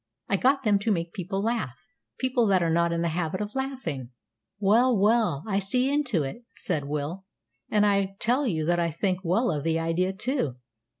I got them to make people laugh people that are not in the habit of laughing!" "Well, well, I see into it," said Will; "and I tell you I think right well of the idea, too.